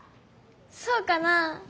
そうかなあ？